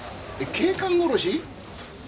警官殺し？